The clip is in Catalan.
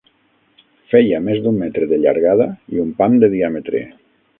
Feia més d'un metre de llargada i un pam de diàmetre